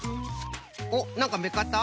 おっなんかめっかった？